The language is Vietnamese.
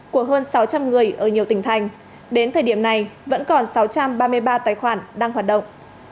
của hơn sáu trăm linh người ở nhiều tỉnh thành đến thời điểm này vẫn còn sáu trăm ba mươi ba tài khoản đang hoạt động